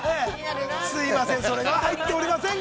すいません、それは入っておりませんが。